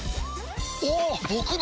おっ！